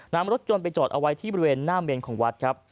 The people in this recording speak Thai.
นำรถยนต์ไปจอดเอาไว้ที่บริเวณหน้าเมนของวัดครับ